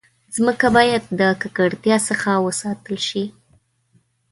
مځکه باید د ککړتیا څخه وساتل شي.